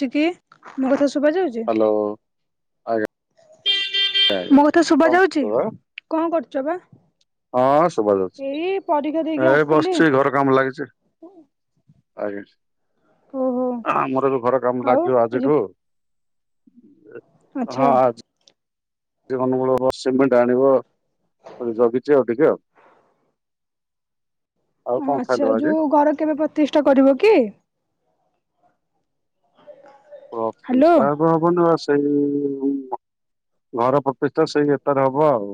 ଛି କି ମୋ କଥା ଶୁଭା ଯାଉଛି? ହ୍ୟାଲୋ ଆଜ୍ଞା। ଆଜ୍ଞା ମୋ କଥା ଶୁଭା ଯାଉଛି? କୁହନ୍ତୁ। କଣ କରୁଛ ବା? ହଁ ଏଇ ପରୀକ୍ଷା ସୁବାଯାଉଛି ଦେଇକି ଏ ଆସିଲି ବସିଛି ଘର କାମ ଲାଗିଛି। ଆଜ୍ଞା ଓହୋ ଆମର ବି ଘର କାମ ଆଉ ଲାଗିବ ଆଜି ଆଜିଠୁ। ଆଚ୍ଛା ହଁ ଆଚ୍ଛ ସେ ଅନୁଗୁଳରୁ ସିମେଣ୍ଟ ଆଣିବ। ଜଗିଛି ଆଉ ଟିକେ ଆଉ। [inaudible] ଖାଇଲ ଆଚ୍ଛା ଆଜି? ଯୋଉ ଘର କେବେ ପ୍ରତିଷ୍ଠା କରିବ କି? ହ୍ୟାଲୋ ପ୍ରତିଷ୍ଠା ହବ ହବ ନା ସେଇ ଘର ପ୍ରତିଷ୍ଠା ସେଇ ଏତାରେ ହବ ଆଉ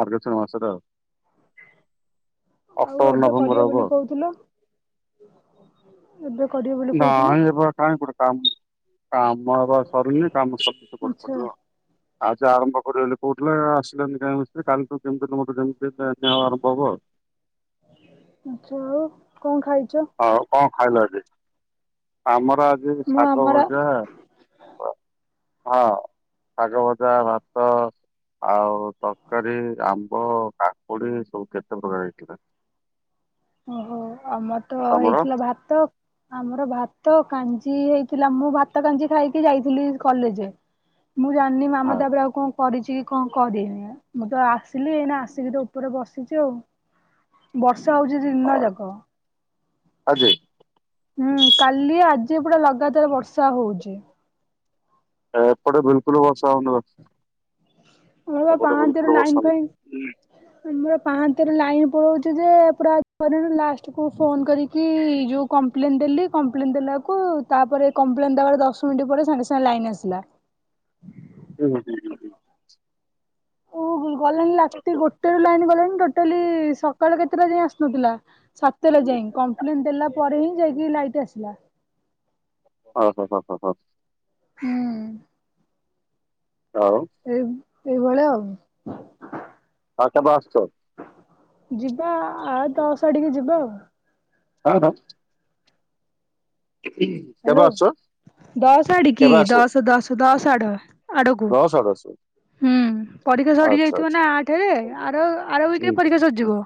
ମାର୍ଗଶିର ମାସରେ ଆଉ। [inaudible] ଆଉ ଏବେ ନଭେମ୍ବର କରିବ ହବ। ବୋଲି କହୁଥିଲ ଏବେ କରିବ ବୋଲି ନାଇଁ କହୁଥିଲ ହେବ କାଇଁ କରେ କାମ୍ କାମ ଏବା ସରୁନି କାମ ସ [unintelligible] ଆଚ୍ଛା ପଡିବ ଆଜି ଆରମ୍ଭ କରିବେଲି କହୁଥିଲେ ଆସିଲେନି କାହିଁ ମିସ୍ତ୍ରୀ କାଲି ତୁ ଯେମିତି ହେଲେ ମତେ ଜେମ୍ ପେ ପେ ପେ ହେବା ଆରମ୍ଭ ହେବ। ଆଚ୍ଛା ଆଉ କଣ ଖାଇଚ? ଖାଇଲ ଆଜି? ଆମର ଆଜି ମୁଁ ଶାଗ ଆମର ଭଜା ହଁ ସାଗ ଭଜା ଭାତ ଆଉ ତରକାରୀ ଆମ୍ବ କାକୁଡି ସବୁ କେତେ ପ୍ରକାର ହେଇଥିଲା। [inaudible] ଓହୋ ଆମର ତ ତମର ହେଇଥିଲା ଭାତ ଆମର ଭା ତ କାଞ୍ଜି ହେଇଥିଲା। ମୁଁ ଭାତ କାଞ୍ଜି ଖାଇକି ଯାଇଥିଲି କଲେଜ। ମୁଁ ଜାଣିନି ହଁ ମାମା ତାପରେ ଆଉ କଣ କରିଛି କି କଣ କରିନି। ମୁଁ ତ ଆସିଲି ଏନା ଆସିକି ତ ଉପରେ ବସି ସିଚି ଆଉ ବର୍ଷା ହଉଛି ଦିନ ହଁ। ଯାକ। ଆଜି? ହୁଁ କାଲି ଆଜି ପୁରା ଲଗାତାର ବର୍ଷା ହଉଚି। ଏପଟେ ବିଲକୁଲ ଵର୍ଷା ହେଉନି ତ। ଆମର ବା ପାହାନ୍ତିଆରୁ ଲାଇନ ଫାଇନ୍ ଆମର ପାହାନ୍ତିଆରୁ ଲାଇନ୍ ଫାଇ ହୋଉଛି ଯେ ପୁରା [unintelligible] ଲାଷ୍ଟକୁ ଫୋନ୍ କରିକି ଯେଉଁ କମ୍ପ୍ଲେନ୍ ଦେଲି କମ୍ପ୍ଲେନ୍ ଦେଲା ତାକୁ ତାପରେ କମ୍ପ୍ଲେନ ଦବାର ଦଶ ମିନିଟ ପରେ ସାଙ୍ଗେ ସାଙ୍ଗେ ଲାଇନ ଆସିଲା। ହୁଁ ହ ହୁଁ ହୁଁ ହ। ଓ ଗଲାଣି ରାତି ଗୋଟେ ରୁ ଲାଇନ୍ ଗଲାଣି ଟୋଟାଲି ସକାଳ କେତେଟା ଯାଇ ଆସୁନଥିଲା ସାତଟା ଯାଇ କପ୍ଲେନ ଦେଲା ପରେ ହିଁ ଯାଇକି ଲାଇଟ ଆସିଲା। ହ ହୋ ହଁ ହଁ ହଁ। ଆଉ ଏଇ ଏଇଭଳିଆ ଆଉ। ତାଟା ବାସଛ [unintelligible] ଯିବା ଆଉ ଦଶ ଟିକେ ଯିବା ଆଉ। ହଁ ହଁ। କେବେ ହାଲୋ ଆସୁଛ ଦଶ ସାଡି କି କେବେ ଆସିବ ଦଶ ଦଶ ଦଶ ସାଡ ଦଶ ଆଡ଼କୁ ଆସିବେ। ହୁଁ ପରୀକ୍ଷା ସରି ଯାଇଥିବ ନା ଆଠରେ ଆର ଆର ୱିକ ରେ ପରୀକ୍ଷା ସରିଯିବ।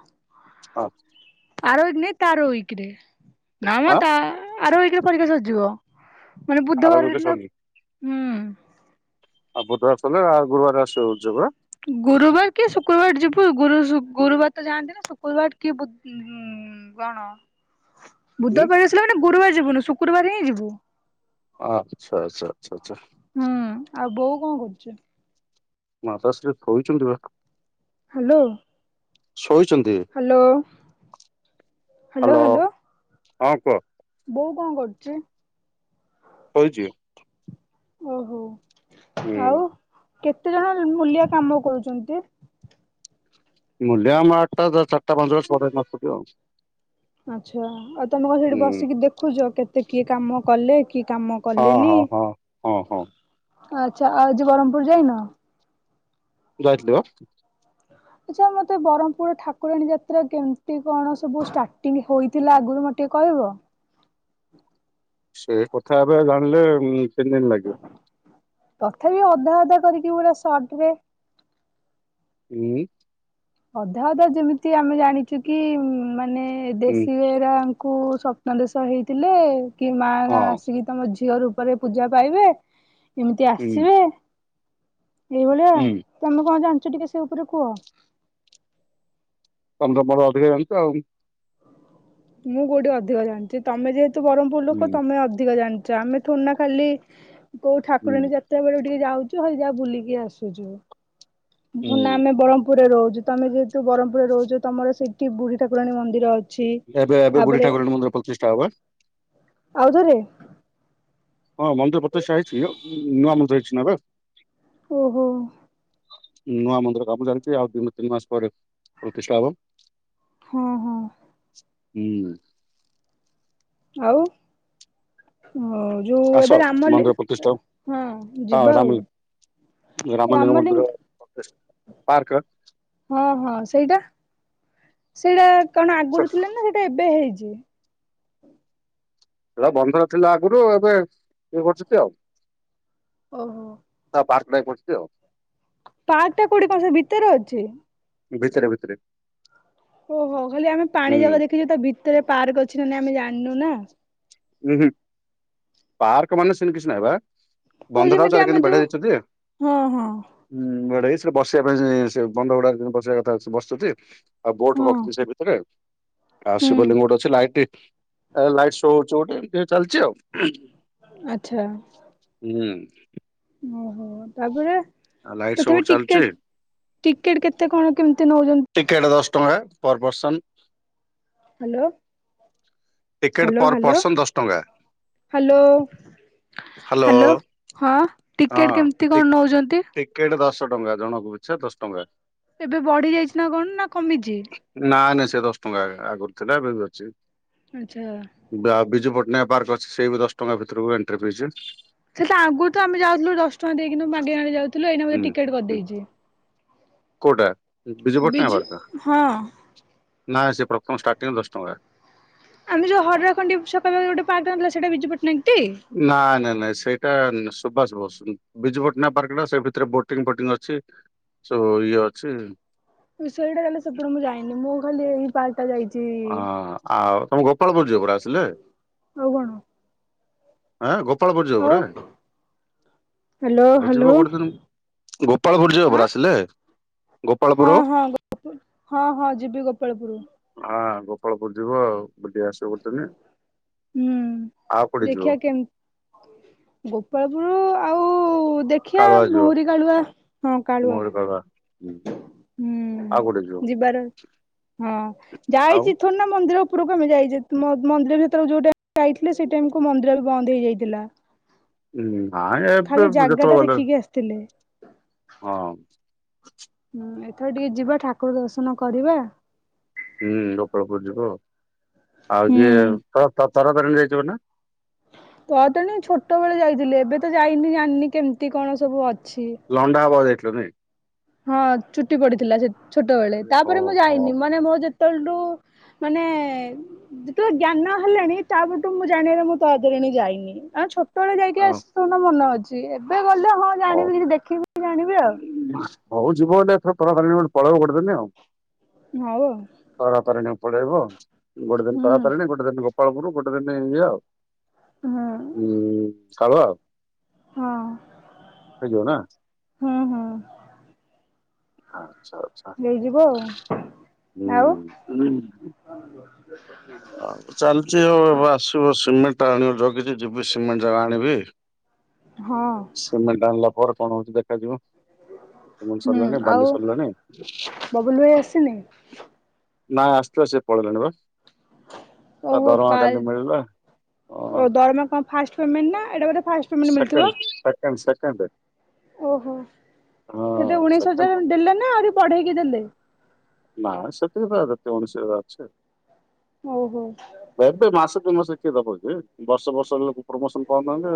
ହଁ। ଆରକ ନ ତାରକରେ ନା ତ ଆରକରେ ପରୀକ୍ଷା ସରିଯିବ। ମାନେ ବୁଧବାର ଦିନ ହୁଁ। ଆଉ ଭଦ୍ରକ ସଲେ ଆଉ ଗୁରୁବାର ଆସିବ [unintelligible] ଗୁରୁବାର କି ଶୁକ୍ରବାର ଯିବୁ ଗୁରୁ ଗୁରୁବାର ତ ଯାଆନ୍ତି ନି ଶୁକ୍ରବାର କି ବୁ ହୁଁ କଣ ହୁଁ ବୁଧବାର ଆସିଲେ ମାନେ ଗୁରୁବାର ଯିବୁନି ଶୁକ୍ରବାର ହିଁ ଯିବୁ। ଆଚ୍ଛା ଆଚ୍ଛା ଆଚ୍ଛା ଆଚ୍ଛା। ହୁଁ ଆଉ ବୋଉ କଣ କରୁଚି? ମାତା ଶ୍ରୀ ଥୋଇଛନ୍ତି ପା। ହାଲୋ। ଶୋଇ ହାଲୋ ହାଲୋ ହ୍ୟାଲୋ ହାଲୋ। ହଁ କୁହ। ବୋଉ କଣ କରୁଚି? ଶୋଇଛି? ଓହୋ। ହୁଁ। ଆଉ କେତେ ଜଣ ମୂଲିଆ କାମ କରୁଛନ୍ତି? ମୂଲିଆ ଆମ ଆଡେ ତ ଆଠଟା ଚାରିଟା ପାଞ୍ଚଟା ଆଉ ଆଚ୍ଛା ଆଉ ତମେ କଣ ସେଠି ହୁଁ ବସିକି ଦେଖୁଛ କେତେ କିଏ କାମ କଲେ କି କାମ ହଁ କଲେନି ହଁ ହଁ ହଁ ହଁ ଆଚ୍ଛା ଆଉ ଆଜି ବ୍ରମପୁର ଯାଇନ? ଯାଇଥିଲେ ପା? ଆଚ୍ଛା ମତେ ବ୍ରହ୍ମପୁର ଠାକୁରାଣୀ ଯାତ୍ରା କେମିତି କଣ ସବୁ ଷ୍ଟାର୍ଟିଂ ହେଇଥିଲା ଆଗରୁ ମତେ ଟିକେ କହିବ। ସେ କଥା ଏବେ ଜାଣିଲେ ତିନି ଦିନ ଲାଗିବ। ତଥାପି ଅଧା ଅଧା କରିକି ପୁରା ସଟ ରେ ହୁଁ? ଅଧା ଅଧା ଯେମିତି ଆମେ ଜାଣିଛୁ କି ମାନେ ହୁଁ ଦେଶୀ ଗାଈର କୁ ସ୍ଵପ୍ନ ଦେଶ ହେଇଥିଲେ କି ମା ଗାଁ ହଁ ଆସିକି ତମ ଝିଅ ର ପରେ ପୂଜା ପାଇବେ ଏମିତି ହୁଁ ଆସିବେ ଏଇଭଳିଆ ହୁଁ ତମେ କଣ ଜାଣିଛ ଟିକେ ସେ ଉପରେ କୁହ? ତମେ ପା ମୋ ଠୁ ଅଧିକା ଜାଣିଛ ଆଉ ମୁଁ କୋଉଠି ଅଧିକ ଜାଣିଛି ତମେ ଯେହେତୁ ବ୍ରହ୍ମପୁର ଲୋକ ତମେ ଅଧିକ ଜାଣି ଆଚ୍ଛା ଆମେ ଥୋଡିନା ଖାଲି କୋଉ ଠାକୁରାଣୀ ହୁଁ ଯାତ୍ରା ବେଳେ ଟିକେ ଯାଉ ଚୁ ଆଉ ଯାହା ବୁଲିକି ଆସୁଛୁ ନା ଆମେ ହୁଁ ବ୍ର୍ମପୁରରେ ରହୁଛୁ। ତମେ ଯେହେତୁ ବ୍ରହ୍ମପୁରରେ ରହୁଛ ତମର ସେଠି ବୁଢୀ ଠାକୁରାୀ ମନ୍ଦିର ଅଛି। ଅଛି ଏବେ ଏବେ ବୁଢୀ ତାପରେ ଠାକୁରାଣୀ ମନ୍ଦିର ପ୍ରତିଷ୍ଠା ହବ ଆଉଥରେ ହଁ ମନ୍ଦିର ପ୍ରତିଷ୍ଠା ହେଇଛି ନୂଆ ମନ୍ଦିର ହେଇଛି ନା ଏବେ। ଓହୋ। ନୂଆ ମନ୍ଦିର କାମ ଚାଲିଛି ଆଉ ଦି ତିନି ମାସ ପରେ ପ୍ରତିଷ୍ଠା ହବ। ହୁଁ ହୁଁ ହୁଁ ଆଉ ହ ଯୋଉ ଆସ ଏବେ ରାମଲି, ମନ୍ଦିର ପ୍ରତିଷ୍ଠା ହବ। ହଁ ହଁ ଯିବା ରାମ ଆଉ ରାମଲିଙ୍ଗ ମନ୍ଦିର ପାର୍କ ହଁ ହଁ ସେଇଟା ସେଇଟା କଣ ଆଗରୁ ଥିଲା ନା ସେଇଟା ଏବେ ହେଇ [unintelligible] ସେଟା [unintelligible] ଥିଲା ଆଗରୁ ଏବେ ଇଏ କରୁଛନ୍ତି ଆଉ ଓହୋ ତା ପାର୍କ ନାଇଁ କରୁଚି ଆଉ ପାର୍କ କୋଉଠି ଅଛି ଭିତରେ ଅଛି? ଭିତରେ ଭିତରେ ଓହୋ ଖାଲି ଆମେ ପାଣି ହୁଁ ଜାଗା ଦେଖିଛୁ ତା ଭିତରେ ପାର୍କ ଅଛି ନା ନାହିଁ ଆମେ ଜାଣିନୁ ନା। ଉୁଁ ହୁଁ ପାର୍କ ମାନେ ସେମିତି କିଛି ନାହିଁ ବା ହଉ ବନ୍ଧ ଟାକୁ ଯେମିତି ଆମେ ଚାରିପଟେ ବେଢ ଯୋଉ ଦେଇଛନ୍ତି ହଁ ହଁ ସେଠି ବସିବା ପାଇଁ ସେ ବନ୍ଧ ହୁଡାରେ ବସିବା କଥା ବସୁଛନ୍ତି ଆଉ ବୋଟ ହଁ ରଖୁଛି ସେ ଭିତରେ ଆଉ ହୁଁ ଶିବଲିଙ୍ଗ ଗୋଟେ ଅଛି, ଲାଇଟ୍ ଲାଇଟ ଶୋ ହଉଛି ଗୋଟେ ଏମିତି ଚାଲିଛି ଆଉ ଆଛା ହୁଁ ଓହୋ ତାପରେ ଆଉ ଲାଇଟ ଶୋ ତଥାପି ଗୋଟେ ଚାଲିଛି ଟିକେଟ, ଟିକେଟ କେତେ କଣ କେମିତି? ନଉଛନ୍ତି? ଟିକେଟ ଦଶ ଟଙ୍କା per person. Hello ticket hello per hello person ଦଶ ଟଙ୍କା। ହାଲୋ ହ୍ୟାଲୋ ହାଲୋ ହଁ ହଁ ଟିକେଟ କେମିତି ଟି କଣ ନଉଛନ୍ତି? ଟିକେଟ ଦଶ ଟଙ୍କା ଜଣଙ୍କୁ ପିଛା ଦଶ ଟଙ୍କା। ଏବେ ବଢି ଯାଇଛି ନା କଣ ନା କମିଚି। ନା ନାଇଁ ସେ ଦଶ ଟଙ୍କା ଆଗରୁ ଥିଲା, ଏବେ ବି ଅଛି ଆଚ୍ଛା। ଆଉ ବିଜୁ ପଟ [unintelligible] ପାର୍କ ଅଛି ସେଇ ବି ଦଶ ଟଙ୍କା ଭିତରକୁ ଏଣ୍ଟ୍ରି ଫିସ। ସେଟା ଆଗରୁ ତ ଆମେ ଯାଉଥିଲୁ ଦଶ ଟଙ୍କା ଦେଇକି ମାଗି ମାଗି ଯାଉଥିଲୁ ଏଇନା ବୋଧେ ଟିକେଟ୍ କରିଦେଇଛି। କଉଟା ବିଜୁପଟ୍ଟନାୟକ ବିଜୁ ପାର୍କ ଟା ହଁ ନା ସେ ପ୍ରଥମ ଷ୍ଟାର୍ଟିଂରୁ ଦଶ ଟଙ୍କା। ଆମେ ଯଉ ହଡରା ଖଣ୍ଡି ସକାଳେ ଗୋଟେ ପାର୍କ ରୁ ଆଣିଥିଲେ, ସେଟା ବିଜୁପ ନାଇ ନାଇ ନାଇଁ ସେଇଟା ସୁଭାଷ ବୋଷ ବିଜୁ ପଟନାୟକ ପାର୍କ ଟା ସେ ଭିତରେ ବୋଟିଂ ଫୋଟିଂ ଅଛି। ସୋ ଇଏ ଅଛି ସେଇଟା ଗଲେ ସେପଟେ ମୁଁ ଯାଇନି ମୁଁ ଖାଲି ଏଇ ପାର୍କ ଟା ଯାଇଛି ହଁ ଆଉ ତମେ ଗୋପାଳପୁର ଯିବ ପରା ଆସିଲେ। ଆଉ କଣ? ହଁ ଗୋପାଳପୁର ଯିବ ଆଉ ପରା। ହ୍ୟାଲୋ ହଉ ହ୍ୟାଲୋ ଯିବ ଗୋଟେ ଦିନ, ଗୋପାଳ ପୁରୁ ଯିବ ଆଁ ପରା ଆସିଲେ। ହଁ ଗୋପାଳପୁର। ହଁ ହଁ ହଁ ଯିବି ଗୋପାଳପୁରୁ। ହଁ ଗୋପାଳପୁର ଯିବୁ ଆଉ ବୁଲି ଆସିବ ତମେ, ହୁଁ। ଆଉ କୁଆଡେ ଯିବ? ଗୋପାଳପୁରୁ ଆଉ ଦେଖିଆ କାଳୁଆ ଯିବ। ମହୁରି କାଳୁଆ ହଁ କାଳୁଆ। ମୋର ହୁଁ ହୁଁ ଆଉ କୋଉଠି ଯିବ ଯିବାର, ହଁ ଆଉ ଯାଇଛି ଥରେ ନା ମନ୍ଦିର ଉପରକୁଆମେ ଯାଇଚେ ମନ୍ଦିର ଭିତରକୁ ଯୋଉଟାଇମ୍ ରେ ଯାଇଥିଲେ, ସେଇ ଟାଇମ କୁ ମନ୍ଦିର ବି ବନ୍ଦ ହେଇଯାଇଥିଲା। ହଁ ନାଇଁ ଖାଲି ଏବେ ଜାଗା ଯେତେ ଟା ବେଳେ ଗଲେ, ଦେଖିକି ଆସିଥିଲେ। ହଁ ହୁଁ ଏଥର ଟିକେ ଯିବା ଠାକୁର ଦର୍ଶନ କରିବା। ହୁଁ ଗୋପାଳପୁର ଯିବ ଆଉ ଏ ହୁଁ। ତ ତାରା ତାରିଣୀ ଯାଇଚ ନା? ତ ତଣ ଛୋଟ ବେଳେ ଯାଇଥିଲି ଏବେ ତ ଯାଇନି ଜାଣିନି କେମିତି କଣ ସବୁ ଅ ଲଣ୍ଡା ହବାକୁ ଯାଇଥିଲୁ ନାଇ। ହଁ ଚୁଟି ପଡିଥିଲା ଛୋଟବେେଳେ, ଓହୋ ତାପରେ ମୁଁ ଯାଇନି, ହଁ ମାନେ ମୋ ଯେତେବେଳଠୁ ମାନେ ଯେତେବେଳେ ଜ୍ଞାନ ହେଲାଣି ତାପରଠୁ ମୁଁ ଜାଣିବାରେ ମୁଁ ତାରା ତାରିଣୀ ଯାଇନି ଆମେ ଛୋ ସେତେବେଳେ ଯାଇକି [inaudible] ନ ମନ ଅଛି ଏବେ ଗଲେ ହଁ ହଉ। ଜାଣିବି କି ଦେଖିବି ଜାଣିବି ଆଉ। ହଉ ଯିବ ଗୋଟେ ଏଥର ତାରା ତାରିଣୀ ଗୋଟେ ପଳେଇବ ଗୋଟେ ଦିନ ଆଉ। ହଉ ଆଉ। ତାରାତାରିଣୀ ପଳେଇବ ଗୋଟେ ଦିନ ହୁଁ ତରାତାରିଣୀ ଗୋଟେ ଦିନ ଗୋ ପାଳପୁରୁ ଗୋଟେ ଦିନ ଇଏ ଆଉ। ହୁଁ ଉଁ। କାମ ଆଉ [inaudible] ହଁଅଁ। ହେଇଯିବ ନା। ହଁ ନେଇଯିବ ଆଉ ନା ଆଉ। ହୁଁ ଚାଲିଛି ଆଉ ଏବେ ଆସିବ ସିମେଣ୍ଟ ଟା ଆଣିବ ଜଗିଛି ଯିବି ସିମେଣ୍ଟ ଟା ଆଣିବି। ଆଉ ହଁ। ସିମେଣ୍ଟ ଆାଣିଲା ପରେ କଣ ହଉଚି ଦେଖାଯିବ। ସିମେଣ୍ଟ ହୁଁ ସରିଲାଣି ଆଉ ବାଲି ସରିଲାଣି। ବବୁଲ ଭାଇ ଆସିନି? ନାଁ ଆସିଥିଲା ସେ ପଳେଇିଲାଣି ବା। ତା ଓହୋ ଦରମା କା କାଲି ମିଳିଲା ଅ ଓ ଦରମା କଣ ଫାଷ୍ଟ ପେମେଣ୍ଟ ନା ଏଟା ବୋଧେ ଫାଷ୍ଟ ପେମେଣ୍ଟ ମିଳିଥିବ? Second second second. ଓହୋ କେତେ ଉଣେଇଶ ସେକେଣ୍ଡ ହଜାର ଦେଲେ ନା ଆହୁରି ଵଢେଇକି ଦେଲେ। ନା ସେତିକି ତ କେତେ ଉଣିଶି ହଜାରେ ଅଛି। ଓହୋ ଏବେ ମାସ ଦୁଇ ମାସ କିଏ ଦଵକି ବର୍ଷ ବର୍ଷ ହେ ପ୍ରମୋସନ ପାଉନାହାନ୍ତି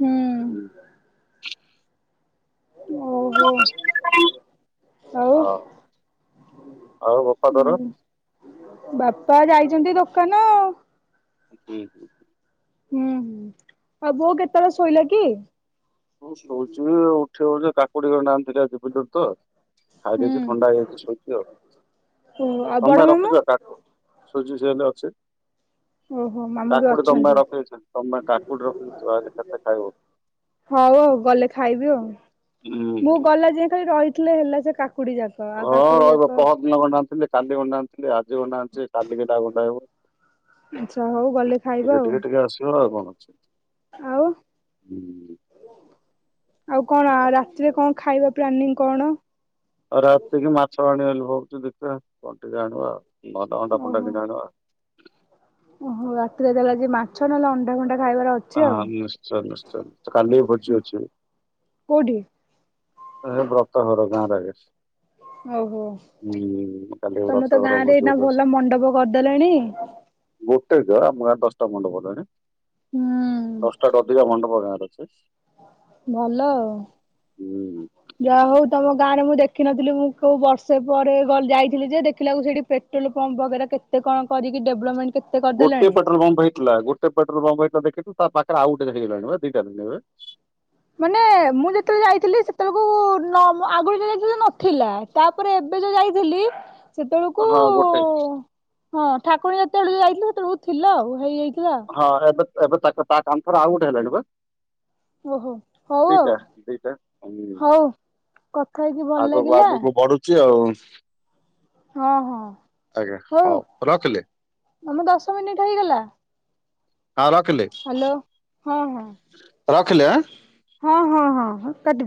ହୁଁ ଆଉ ଓହୋ [inaudible] ଆଉ ଆଉ ବୋପା ତୋର? ତ ଯାଇଛନ୍ତି ଦୋକାନ ଆଉ। [inaudible] ହୁଁ ହୁଁ ଆଉ ବୋଉ କେତେବେଳେ ଶୋଇଲା କି? କଉ ଶୋଉଛିି ଜେ ଉଠି ହଉଛି ଜେ କାକୁଡି ଗଣ୍ଡେ ଆ [inaudible] ତ ହୁଁ ଖାଇଦେଇଚି ଥଣ୍ଡା ହେଇଯାଇଚି ଶୋଇଚି ଆଉ। ଓ ଆଉ ବଡ କଣପେଇ ମାମୁଁ? ରଖିଛ ତାକୁ ସୁଜି ସେମିତି ଅଛି। ଓହୋ ମାମୁଁ ବି କାକୁଡି ତମପାଇଁ ଅଛନ୍ତି ରଖି ଦେଇଥିଲି ତମପାଇଁ କାକୁଡି ରଖିଦେଇଚି ତମେ ଆଇଲେ କାଟିକି ଖାଇଵ। [inaudible] ହଉ ହଉ ଗଲେ ଖାଇବି ଆଉ ମୁଁ ହୁଁ ଗଲା ଯେ ଖାଲି ରହିଥିଲେ ହେଲା ସେ କା ହଁ ରହିବ ପହରଦିନ ଦିନ ଗଣ୍ଡେ ଆଣିଥିଲି କାଲି ଗଣ୍ଡେଆଣିଥିଲି ଆଜି ଗଣ୍ଡେ ଆଣିଚି କାଲିକିହେଟା ଆଉ ାଇ ଆଚ୍ଛା ହଉ ଗଲେ ଖାଇବା ଟିକେ ଆଉ ଟିକେ ଟିକେ ଆସିବ ଆଉ କଣ? ଛ ଆଉ ହୁଁ। ଆଉ କଣ ରାତିରେ କଣ ଖାଇବା ପ୍ଲାନିଂ କଣ? ଆଉ ରାତିକି ମାଛ ଆଣିବାବୋଲି ଭାବୁଚି ଦେଖିବା କଣ ଟିକେ ଆଣିବା ଆଉ। ଭଦେ ଅଣ୍ଡା ଫଣ୍ଡା ଓହୋ। କିଛି ଆଣିବା ଆଉ। ଓହୋ ରାତିରେ ତାହେଲେ ଆଜି ମାଛ ନହେଲେ ଅଣ୍ଡା ଫଣ୍ଡା ଖାଇବାର ଅଛି ଆଉ ହଁ ନିଶ୍ଚୟ ନିଶ୍ଚୟୟ କାଲି ଭୋଜି ଅଛି। କୋଉଠି? ଏ ବ୍ରତ ଘର ଗାଁ [inaudible] ଓହୋ ତମେ ତ ବ୍ରତଘର ଗାଁରେ ଭୋଜି ଏଇନା ଭଲ ମଣ୍ଡପ କରିଦେଲଣି। ଗୋ ଏଇତ ଆମ ଗାଁରେ ଦଶଟା ମଣ୍ଡପ ହେଲାଣି ହୁଁ ଦଶଟାଠୁ ଅଧିକା ମଣ୍ଡପ ଗାଁରେ ଅଛି। ଭଲ ଆଉ ହୁଁ ଯାହା ହଉ ତମ ଗାଁ ମାନେ ମୁଁ ଦେଖିନଥିଲି ମୁଁ କୋଉ ବର୍ଷେ ପରେ ଗ ଯାଇଥିଲି ଯେ ଦେଖିଲାକୁ ସେଠି ପେଟ୍ରୋଲ ପମ୍ପ ବଗେରା କେତେ କ କଣ କରିକି ଡେଭଲପମେଣ୍ଟ କେତେ ଗୋଟେ କରିଦେଲାଣି। ପେଟ୍ରୋଲପମ୍ପ ହେଇଥିଲା ଗୋଟେ ପେଟ୍ରୋଲପମ୍ପ ହେଇଥିଲା ଦେଖିଚୁ। ତା ପାଖରେ ଆଉ ଗୁଟେ ହେଇଗଲାଣି ବା ଦିଚାରି ଏବେ। ମାନେ ମୁଁ ଯେତେବେଳେ ଯାଇଥିଲି ସେତେବେଳକୁ ନ ଆଗରୁ ଯଉ ଯାଇଥିଲି ନଥିଲା ତାପରେ ଏ ଏବେ ଯୋଉ ଯାଇଥିଲି ସେତେବେଳକୁ ହଁ ଗୋଟେ ହଁ ଠାକୁର ଯେତେବେଳକୁ ଯାଇଥିଲ ସେତେବେଳକୁ ଥିଲା ଆଉ ହେଇଯାଇ ହଁ ଏବେ ଏବେ ତା ତା କାମ ଥର ଆଉ ଗୋଟେ ହେଲାଣି ପା। ଓହୋ ହଉ ଆଉ ଦିଇଟା ଦିଟା। ହଉ କଥା ହେଇକି ଭଲ ଆଗକୁ ଲାଗିଲା ଆଗକୁ ବଢୁଛି ଆଉ ହଁ ହଁ ଆଜ୍ଞା ହଉ ରଖିଲି ଆମ ଦଶ ମିନିଟ ହେଇଗଲା। ହଁ ରଖିଲି। ହ୍ୟାଲୋ ହଁ ହଁ। ଖିଲେ ଆଁ। ହଁ ହଁ ହଁ ହଁ କାଟି